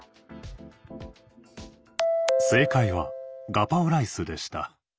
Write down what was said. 正解はガパオライスでした。